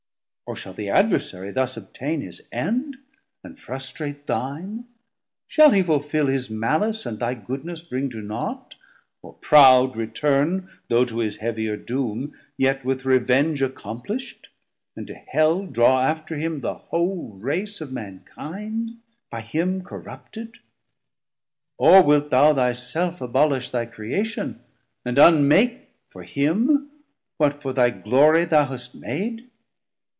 Or shall the Adversarie thus obtain His end, and frustrate thine, shall he fulfill His malice, and thy goodness bring to naught, Or proud return though to his heavier doom, Yet with revenge accomplish't and to Hell 160 Draw after him the whole Race of mankind, By him corrupted? or wilt thou thy self Abolish thy Creation, and unmake, For him, what for thy glorie thou hast made?